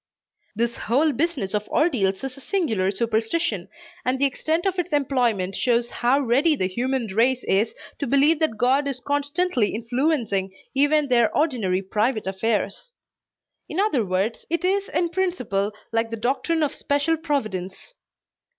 This whole business of ordeals is a singular superstition, and the extent of its employment shows how ready the human race is to believe that God is constantly influencing even their ordinary private affairs. In other words, it is in principle like the doctrine of "special providence."